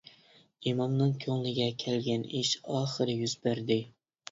ئىمامنىڭ كۆڭلىگە كەلگەن ئىش ئاخىرى يۈز بەردى.